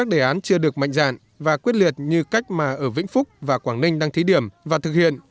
đề án chưa được mạnh dạn và quyết liệt như cách mà ở vĩnh phúc và quảng ninh đang thí điểm và thực hiện